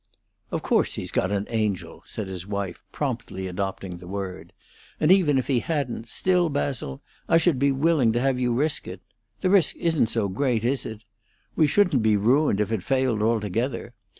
"Of course, he's got an Angel," said his wife, promptly adopting the word. "And even if he hadn't, still, Basil, I should be willing to have you risk it. The risk isn't so great, is it? We shouldn't be ruined if it failed altogether.